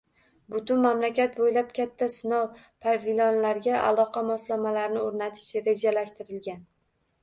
Butun mamlakat bo'ylab katta sinov pavilonlariga aloqa moslamalarini o'rnatish rejalashtirilgan